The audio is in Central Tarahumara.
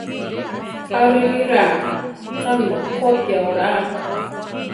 Aririra! chami okotia olá.